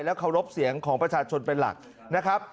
เคารพเสียงของประชาชนเป็นหลักนะครับ